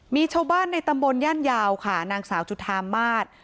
มีชาวบ้านในตำบลย่านยาวค่ะนางสาวจุธามาศ